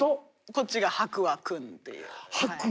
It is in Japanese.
こっちが博愛君っていう。